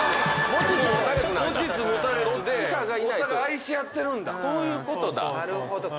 持ちつ持たれつでお互い愛し合ってるんだ。